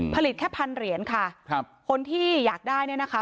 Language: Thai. ผลิตแค่พันเหรียญค่ะคนที่อยากได้นะคะ